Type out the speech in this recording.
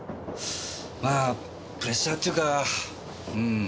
まあプレッシャーっていうかうん。